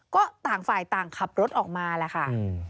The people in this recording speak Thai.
ก็ต่างฝ่ายต่างขับรถออกมาแหละค่ะ